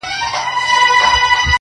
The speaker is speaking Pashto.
o للى دمخه، للۍ په پسې.